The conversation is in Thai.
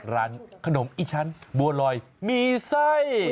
ร้านขนมอีชั้นบัวลอยมีไส้